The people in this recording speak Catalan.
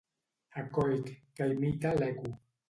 Ecoic: Que imita l'Eco.